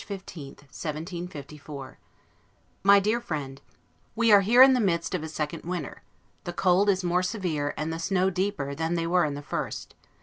LETTER CXCIX LONDON, March 15, 1754 MY DEAR FRIEND: We are here in the midst of a second winter; the cold is more severe, and the snow deeper, than they were in the first.